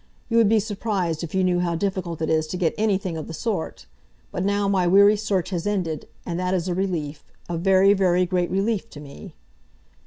You would be surprised if you knew how difficult it is to get anything of the sort. But now my weary search has ended, and that is a relief—a very, very great relief to me!"